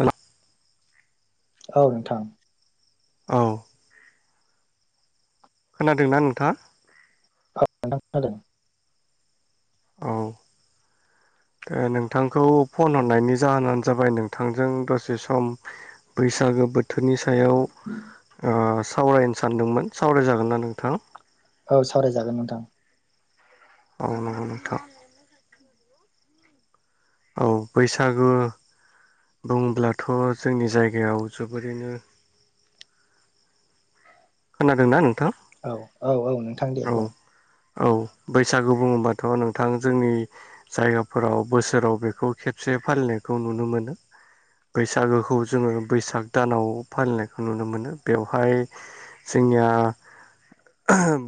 हेल' औ नोंथां। औ खोनादोंना नोंथाङा? अ नोंथां हादों। औ ओ नोंथांखौ फन हरनायनि जाहोनानो जाबाय नोंथांजों दसे सम बैसागो बोथोरनि सायाव ओस सावरायनो सानदोंमोन सावरायजागोन ना नोंथां? औ सावरायजागोन नोंथां। अ नंगौ नोंथां। [unintelligible] औ बैसागु बुङोब्लाथ' जोंनि जायगायाव जोबोरैनो खोनादों ना नोंथां? औ औ औ नोंथां दे औ बुं? औ बैसागु बुङोबाथ' नोंथां जोंनि जायगाफोराव बोसोराव बेखौ खेबसे बे फालिनायखौ नुनो मोनो। बैसागोखौ जोङो बैसाग दानाव फालिनायखौ नुनो मोनो बेवहाय जोंनिया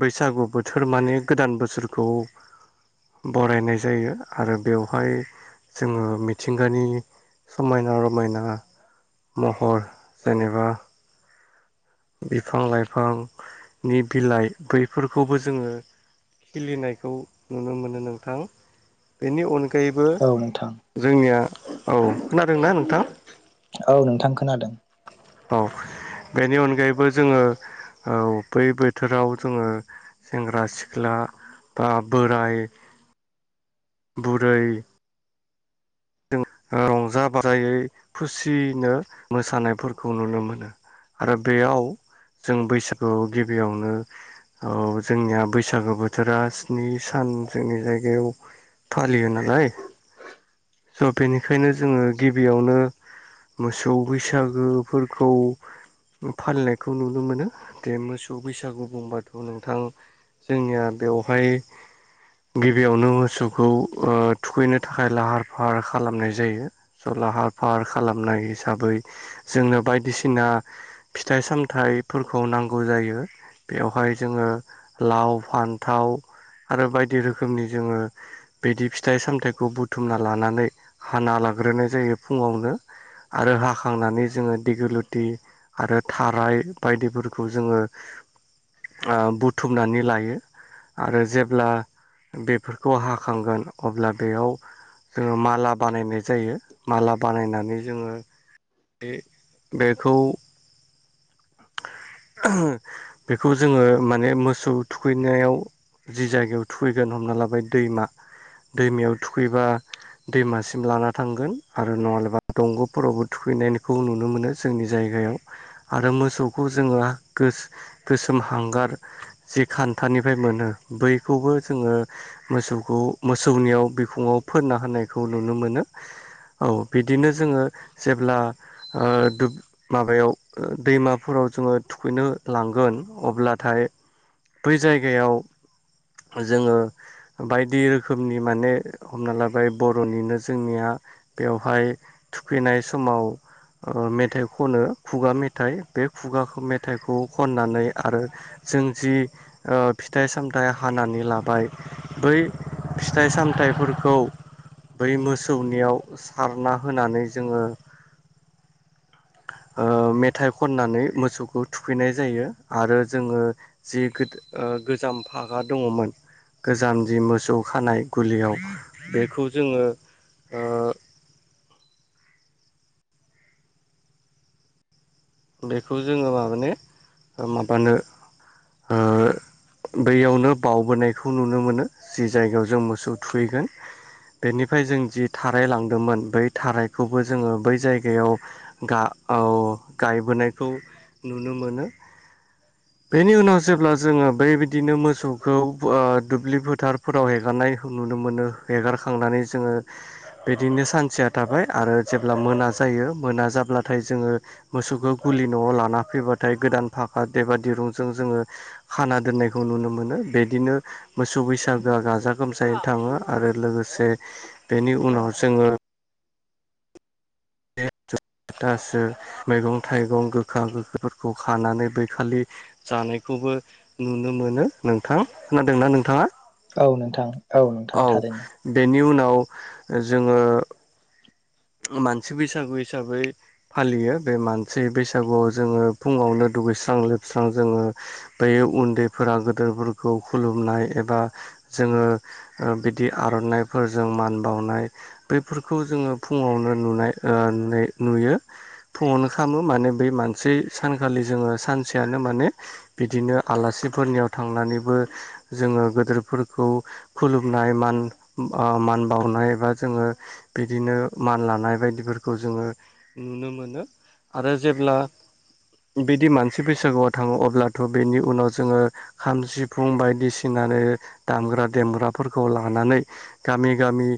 बैसागु बोथोर माने गोदान बोसोरखौ बरायनाय जायो आरो बेवहाय जोङो मिथिंगानि समायना रमायना महर जेनेबा बिफां लाइफांनि बिलाइ बैफोरखौबो जोङो खिलिनायखौ नुनो मोनो नोंथां बेनि अनग गायैबो औ नोंथां जोंनिया औ खोनादोंना नोंथां? औ नोंथां खोनादों। अ बेनि अनगायैबो जोङो औ‌ बै बोथोराव जोङो सेंग्रा सिख्ला बा बोराय बुरै जों ओ रंजा बाजायै खुसिनो मोसानायफोरखौ नुनो मोनो। आरो बेयाव जों बैसागुआव गिबियावनो औ जोंनिया बैसागो बोथोरा स्नि सान जोंनि जायगायाव फालियो नालाय स' बेनिखायनो जोङो गिबियावनो मोसौ बैसागोफोरखौ ओ फालिनायखौ नुनो मोनो बेे मोसौ बैसागु बुंबाथ' नोंथां जोंनिया बेवहाय गिबियावनो मोसौखौ ओ थुखैनो थाखाय लाहार फाहार खालामनाय जायो स' लाहार फाहार खालामनाय हिसाबै जोंनो बायदिसिना आ फिथाइ सामथाइफोरखौ नांगौ जायो बेवहाय जोङो लाव फान्थाव आरो बायदि रोखोमनि जोङो बिदि फिथाइ सामथाइखौ बुथुमना लानानै हाना लाग्रोनाय जायो फुङावनो आरो हाखांनानै जोङो दिगु लुटि आरो ओ थाराय बायदिफोरखौ जोङो ओ बुथुमनानै लायो। आरो जेब्ला बेफोरखौ हाखांगोन अब्ला बेयाव। जोङो माला बानायनाय जायो माला बानायनानै जोङो। बे बेखौ। बेखौ जोङो माने मोसौ थुखैनायाव। जि जायगायाव थुखैगोन हमना लाबाय दैमा दैमायाव थुखैबा। दैमासिम लाना थांगोन आरो नङाब्लाबा दंग'फोरावबो थुखैनायखौ नुनो मोनो जोंनि जायगा आरो मो [unintelligible] मोसौखौ जोङो गोसो गोसोम हांगार जे खान्थानिफ्राय मोनो बैखौ। खौबो जोङो मोसौखौ मोसौनियाव बिखुंङाव फोनना होनायखौ नुनो मोनो। औ बिदिनो जोङो जेब्ला ओ दुब माबायाव दैमा। फोराव जोङो थुखैनो लांगोन अब्लाथाय बै जायगायाव। जोङो बायदि रोखोमनि माने हमना लाबाय बर'निनो जोंनिया। बेवहाय थुखैनाय समाव ओ मेथाइ खनो खुगा मेथाइ। बे खुगाखौ मेथाइखौ खननानै आरो जों जि ओ फिथाइ सामथाइ हानानै लाबाय बै फिथाइ सामथाइफोरखौ। बै मोसौनियाव सारना होनानै जोङो। ओ मेथाइ। खननानै मोसौखौ थुखैनाय जायो आरो जोङो जि गोजाम फागा दङमोन गोजान। जि मोसौ खानाय गुलियाव बेखौ जोङो ओ बेखौ जोङो माबाने माबानो ओ बैयावनो बावबोनायखौ नुनो मोनो जि जायगायाव जों मोसौ थुखैगोन। बेनिफ्राय जों जि थाराय लांदोंमोन बै थारायखौबो जोङो बै जायगायाव गा औ गायबोनायखौ नुनो मोनो। बेनि उनाव जेब्ला जोङो बेबायदिनो मोसौखौ दुब्लि फोथारफोराव हेगारनायखौ नुनो मोनो हेगारखांनानै जोङो बिदिनो सानसे। थाबाय आरो जेब्ला मोना जायो मोना जाब्लाथाय जोङो। मोसौखौ गुलि न'आव लाना फैबाथाय गोदान फाखा देबा दिरुंजों जोङो खाना दोननायखौ नु नुनो मोनो बिदिनो मोसौ बैसागोआ गाजा गोमजायै थाङो आरो लोगोसे। बेनि उनाव जोङो। दे [unintelligible] थासो मैगं थाइगं गोखा गोखाैफोरखौ खानानै बैखालि जानायख खौबो नुनो मोनो नोंथां खोनादोंना नोंथांङा? औ नोंथां। नोंथां औ थारैनो बेनि उनाव जोङो मानसि बैसागु हिसाबै फालियो बे मानसि बैसागुआव जोङो फुंङावनो। दुगैस्रां लोबस्रां जोङो बै उन्दैफोरा गोदोरफोरखौ खुलुमनाय एबा। जोङो बिदि आर'नाइफोरजों मान बावनाय बैफोरखौ जोङो फुंङावनो नुनाय ओ नुनाय नुयो। फुंङावनो खालामो माने बै मानसि सानखालि जोङो सानसेयानो माने बिदिनो आलासि। फोरनियाव थांनानैबो जोङो गोदोरफोरखौ खुलुमनाय मान मान बावनाय बा जोङो बिदिनो। मान लानाय बायदिफोरखौ जोङो नुनो मोनो आरो जेब्ला। बिदि मानसि बैसागुआव थाङो अब्लाथ' बेनि उनाव जोङो खाम सिफुं बायदिसिना। आरो दामग्रा देमग्राफोरखौ लानानै गामि गामि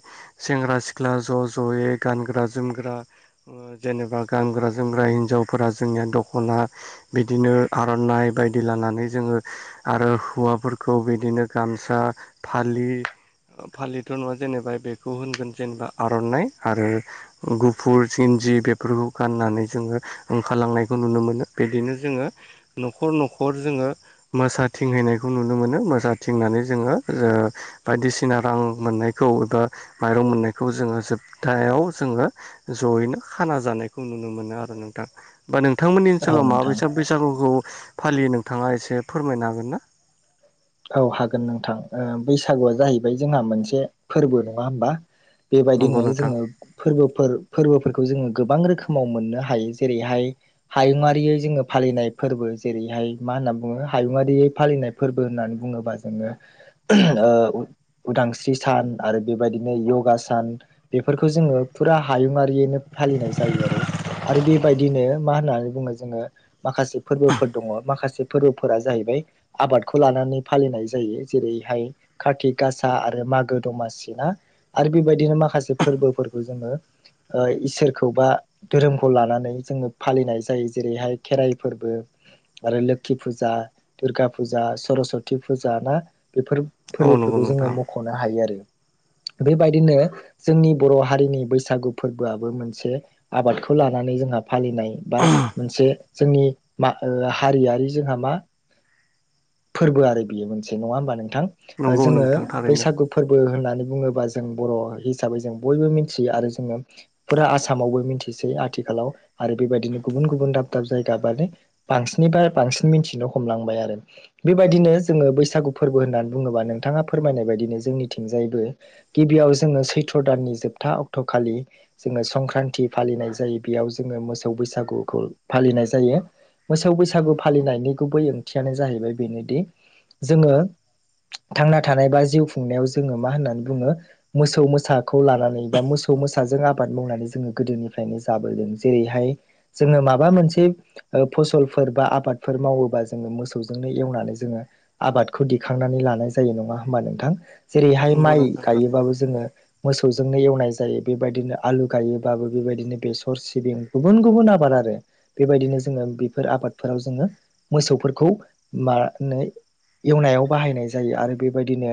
सेंग्रा सिख्ला ज' ज'। जयै गानग्रा जोमग्रा ओ जेनेबा गानग्रा जोमग्रा हिनजावफोरा जोगनिया दखना। आ बिदिनो आर'नाइ बायदि लानानै जोङो आरो हौवाफोरखौ बिदिनो। गामसा फालि फालिथ' नङा जेनेबा बेखौ होनगोन जेनेबा आर'नाइ। आरो गुफुर सिन्जि बेफोरखौ गान्नानै जोङो ओंखारलांनायखौ नुनो मोनो। बेदिनो जोङो न'खर न'खर जोङो मोसाथिंहैनायखौ नुनो मोनो मोसाथिंनान नै जोङो ओ बायदिसिना रां मोननायखौ एबा माइरं मोननायखौ जोङो जोब थायाव जोङो ज'यैनो खाना जानायखौ नुनो मोन नो आरो नोंथां। होनबा नोंथांमोननि औ ओनसोलाव नोंथां माबायसा बैसागुखौ फालियो नोंथाङा एसे फोरमायनो हागोन ना? औ हागोन नोंथां। ओ बैसागुआ जाहैबाय जोंहा मोनसे फोरबो नङा होमबा। बेबायदि नंगौ होननानै नोंथां जोङो फोरबोफोर फोरबोफोरखौ जोङो गोबां रोखोमाव मोननो हायो। जेरैहाय हायुङारियै जोङो फालिनाय फोरबो जेरैहाय मा मा होनना बुङो हायुङारियै फालिनाय फोरबो बो होननानै बुङोबा जोङो ओ उ-उदांस्रि सान आरो बेबायदिनो योगा सान बेफोरखौ जोङो फुरा हायुंङारियैनो फालिनाय जायो आरो। आरो बेबायदिनो मा होननानै बुंनो जोङो माखासे फोरबोफोर दङ' माखासे फोरबोफोरा जाहैबाय आबाद खौ लानानै फालिनाय जायो। जेरैहाय कार्तिग गासा आरो मागो दमासि ना आरो बि बायदिनो माखासे फोरबोफोरखौ जोङो ओ इसोरखौ बा धोरोमखौ लानानै जोङो फालिनाय जायो। जेरैहाय खेराइ फोरबो। आरो लोखि फुजा दुर्गा फुज जा सर'स्वति फुजा ना बेफोर औ नंगौ फोरबोफोरखौ जोङो नोंथां मख'नो हायो आरो बेबायदिनो जोंनि बर' हारिनि बैसागु फोरबोआबो मोनसे आबादखौ लानानै जोंहा फालिनाय बा मोनसे जोंनि मा ओ हारियारि जोंहा मा फोरबो आरो बियो मोनसे नङा होमबा नोंथां। ओ नंगौ जोङो नोंथां थारैनो बैसागु फोरबो होननानै बुङोबा जों बर' हिसाबै जों बयबो मिन्थियो आरो जोङो फुरा आसामावबो मिन्थिसै। आथि खालाव आरो बेबायदिनो गुबुन गुबुन दाब दाब जायगा बालै बांसिननिफाय बांसिन मिन्थिनो हमलांबाय आरो बेबायदिनो जोङो बैसागु फोरबो होननानै बुंनोबा नोंथाङा फोरमायनाय बायदिनो जोंनिथिंजायबो गि बियाव जोङो सैथ्र' दाननि जोबथा अक्ट'खालि जोङो संक्रान्ति फालिनाय जायो। बेयाव जोङो मो सौ बैसागुखौ फालिनाय जायो। मोसौ बैसागु फालिनायनि गुबै ओंथियानो जाहैबाय बेनोदि जोङो थांना थानाय बा जिउ खुंनायाव जोङो मा होननानै बुङो मोसौ मोसाखौ लानानै बा मोस सौ मोसाजों आबाद मावनानै जोङो गोदोनिफ्रायनो जाबोदों। जेरैहाय जोङो माबा मोनसे ओ फसलफोर बा आबादफोर मावोबा जोङो मोसौजों नो एवनानै जोङो आबादखौ दिखांनानै लानाय जायो नङा होम्बा नोंथां। जेरैहाय नंगौ माइ नोंथां थारैनो गायोबाबो जोङो मोसौजोंनो एवनाय जायो। बेबायदिनो आलु गायोबाबो बेबायदिनो बेसर सिबिं गुबुन गुबुन आबाद आ आरो बेबायदिनो जोङो बेफोर आबादफोराव जोङो मोसौफोरखौ मा नै एवनायाव बाहायनाय जायो आरो बेबायदिनो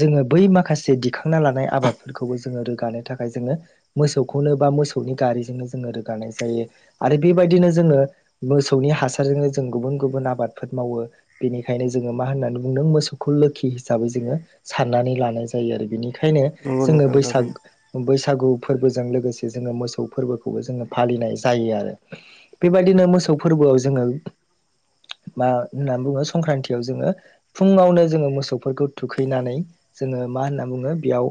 जोङो बै माखासे दिखांना लानाय आबादफोरखौ जोङो रोगानो थाखाय जोङो मोसौखौनो बा मोसौनि गारिजोंनो जोङो रोगानाय जायो आरो बे बायदिनो जोङो मोसौनि हासारजोंनो जों गुबुन गुबुन आबादफोर मावो। बेनिखायनो जोङो मा होननानै बुंदों मोसौखौ लोखि हिसाबै जोङो साननानै लानाय जायो। आरो बिनिखायनो नंगौ जोङो नोंथां बैसाग थारैनो बैस सागु फोरबोजों लोगोसे जोङो मोसौ फोरबोखौबो जोङो फालिनाय जायो आरो बेबायदिनो मोस सौ फोरबोआव जोङो मा होननानै बुङो संक्रान्तियाव जोङो फुंङावनो जोङो मोसौफोरखौ थुखैनानै जोङो मा होनना बुङो बेयाव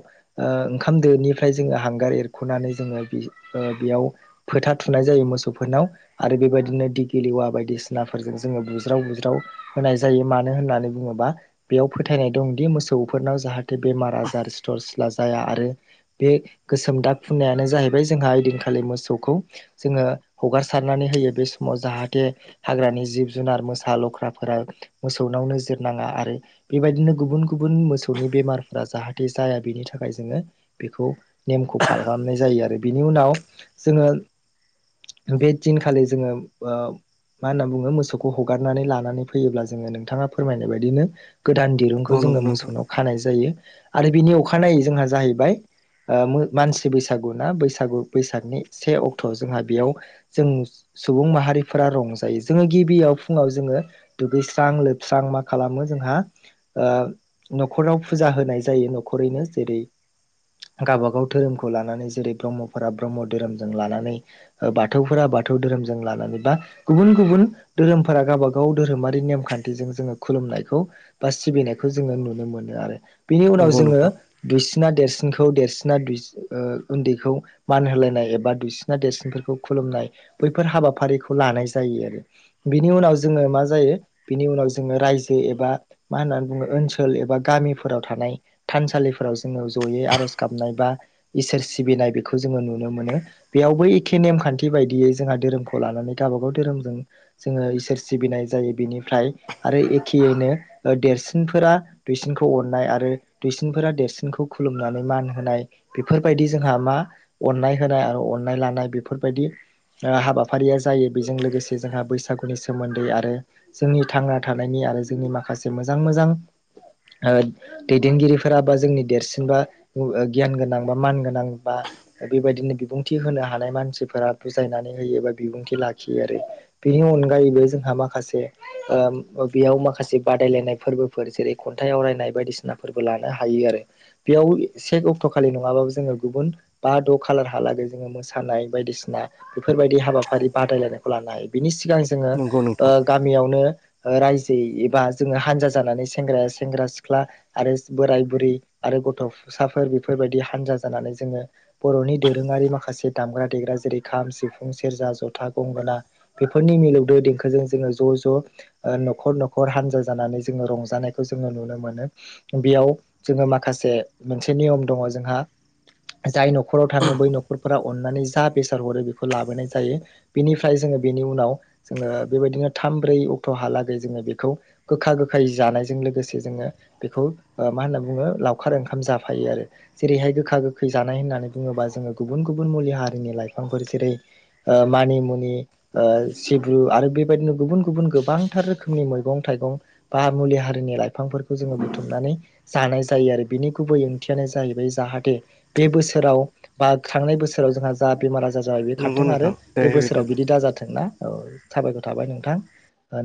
ओ ओंखाम दोनिफ्राय जोङो हांगार एरखुनानै जोङो बि ओ बियाव फोथा थुनाय जायो मोसौफोरनाव आरो बेबायदिनो दिगिलिवा बायदिसिनाफोरजों जोङो बु ज्राव बुज्राव होनाय जायो। मानो होननानै बुङोबा बेयाव फोथायनाय दं दि मोसौफोरनाव जाहाथे बेमार आजार सिथर सिला जाया आरो बे गोसोम दाग फुननायानो जाहैबाय जोंहा ओइदिनखालि मोसौखौ जोङो हगारसारनानै होयो बे समाव। जाहाथे हाग्रानि जिब जुनार मोसा आ लख्राफोरा मोसौनाव नोजोर नाङा आरो बेबायदिनो गुबुन गुबुन मोसौनि बेमारफोरा जाहाथे जाया बेनि थाखाय जोङो बेखौ नेमखौ [unintelligible] खालामनाय जायो आरो बेनि उनाव जोङो बे दिनखालि जोङो मा होनना बुङो मोसौखौ हगारनानै लानानै फैयोब्ला जोङो नोंथाङा फोरमायनाय बायदिनो। गोदान औ दिरुंखौ नंगौ जोङो नोंथां मोसौनाव खानाय जायो आरो बिनि अखानायै जोंहा जाहैबाय। मानसि बैसागु ना बैसागु बैसागनि से अक्ट'आव जोंहा बेयाव जों सुबुं माहारिफोरा रंजायो जोङो गिबियाव फुङाव जोङो दुगैस्रां लोबस्रां मा खालामो जोंहा नखराव फुजा। होनाय जायो न'खरैनो जेरै गावबागाव धोरोमखौ लानानै जेरै ब्रह्मफोरा ब्रह्म धोरोमजों लानानै बाथौफोरा बाथौ धोरोमजों लानानै बा गुबुन गुबुन धोरोम फोरा गावबागाव धोरोमारि नेमखान्थिजों जोङो खुलुमनायखौ बा सिबिनायखौ जोङो नुनो मोनो आरो बिनि उनाव नंगौ जोङो नोंथां देरसिनखौ देरसिना उन्दैखौ मान होलायनाय एबा दुइसिना देरसिनफोरखौ खुलुमनाय खुुमनाय बैफोर हाबाफारिखौ लानाय जायो आरो बिनि उनाव जोङो मा जायो बिनि उनाव जोङो रायजो एबा मा होननानै बुङो ओनसोल एबा गामि गामिफोराव थानाय थानसालिफोराव जोङो ज'यै आर'ज गाबनाय बा इसोर सिबिनाय बेखौ जोङो नुनो मोनो बेयावबो एखे नेमखान्थि बायदियै जोंहा धोरोमखौ लानानै गावबा गाव धोरोमजों। जोङो इसोर सिबिनाय जायो बिनिफ्राय आरो एखेयैनो देरसिनफोरा दुइसिन। खौ अननाय आरो दुइसिनफोरा देरसिनखौ खुलुमनानै मान होनाय बेफोरबायदि जोंहा मा अननाय होनाय आरो अननाय लानाय बेफोरबायदि हाबाफारिया जायो बेजों लोगोसे जोंहा बैसाग बैसागुनि सोमोन्दै आरो जोंनि थांना थानायनि आरो जोंनि माखासे मोजां मोजां। दैदेनगिरिफोरा बा जोंनि देरसिनबा गियान गोनां बा मान गोनां बा बेबायदिनो बिबुंथि होनो हानाय मानसिफोरा बुजायनानै होयो एबा बिबुंथि लाखियो आरो बेनि अनगायैबो जोंहा माखासे बेयाव माखासे बादायलायनाय फोरबोफोर जेरै खन्थाइ आवरायनाय बायदिसिनाफोरबो लानो हायो आरो बेयाव से अक्ट' खालि नङाबाबो जोङो गुबुन बा द' खालारहालागै जोङो मोसानाय बायदिसिना बेफोरबायदि हाबाफारि बादायलायनायखौ लानो हायो। बिनि सिगां जोङो नंगौ नोंथां गामियावनो। रायजो एबा जोङो हानजा जानानै सेंग्राया सेंग्रा सिख्ला आरो बोराय बुरै आरो गथ'साफोर बेफोरबायदि हानजा जानानै जोङो बर'नि दोरोङारि माखासे दामग्रा देग्रा जेरै खाम सिफुं सेरजा जथा गंगोना बेफोरनि मिलौदो देंखोजों जोङो ज' ज' न'खर न'खर हान्जा जानानै जोङो रंजानायखौ जों। जोङो नुनो मोनो बेयाव जोङो माखासे मोनसे नियम दङ' जोंहा जाय न'खराव थाङो बै न'खरफोरा अननानै जा बेसाद हरो बेखौ लाबोनाय जायो बिनिफ्राय जोङो बेनि उनाव जोङो बेबायदिनो थाम ब्रै अक्ट'हालागै जोङो बेखौ गोखा गोखायै जानायजों लोगोसे जोङो बेखौ मा होनना बुङो लावखार ओंखाम जाफायो आरो जेरैहाय गोखा गोखै जानाय होननानै बुङोबा जोङो गुबुन गुबुन मुलि हारिनि लाइफांफोर जेरै मानि मुनि सिब्रु आरो बेबायदिनो गुबुन गुबुन गोबांथार रोखोमनि मैगं थाइगं बा मुलि हारिनि लाइफांफोरखौजो बुथुमनानै जानाय जायो आरो बिनि गुबै ओंथियानो जाहैबाय जाहाथे बे बोसोराव बा थांनाय बोसोराव जोंहा जा बेमार आजार जाबाय बे नंगौ खारथों आरो नोंथां दे बे बोसोराव बिदिब्ला बिदि दाजाथों ना औ साबायखर थाबाय नोंथां।